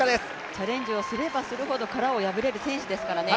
チャレンジをすればするほど殻を破れる選手ですからね